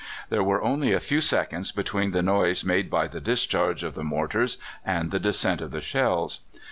There were only a few seconds between the noise made by the discharge of the mortars and the descent of the shells.